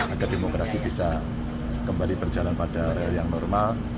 agar demokrasi bisa kembali berjalan pada real yang normal